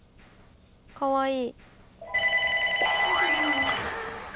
かわいい。